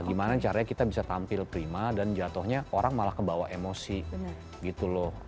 gimana caranya kita bisa tampil prima dan jatuhnya orang malah kebawa emosi gitu loh